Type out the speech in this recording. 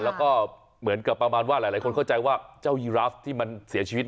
แล้วก็เหมือนกับประมาณว่าหลายคนเข้าใจว่าเจ้ายีราฟที่มันเสียชีวิต